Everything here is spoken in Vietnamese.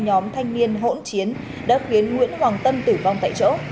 một thằng thanh niên hỗn chiến đã khuyến nguyễn hoàng tân tử vong tại chỗ